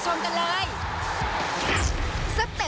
แทงคนไหนจะช่อลีล่าเด็ดโดนใจกันบ้างเราไปชมกันเลย